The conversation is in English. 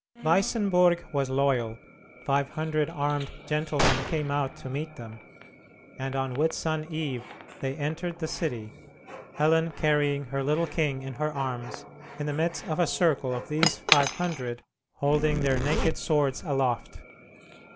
Weissenburg was loyal, five hundred armed gentlemen came out to meet them, and on Whitsun Eve they entered the city, Helen carrying her little king in her arms in the midst of a circle of these five hundred holding their naked swords aloft.